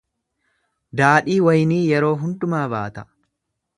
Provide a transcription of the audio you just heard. Daadhii waynii yeroo hundumaa baata.